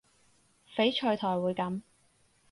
翡翠台會噉